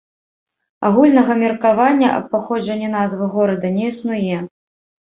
Агульнага меркавання аб паходжанні назвы горада не існуе.